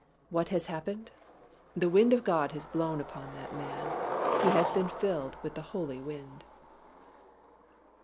What has happened? The Wind of God has blown upon that man. He has been filled with the Holy Wind.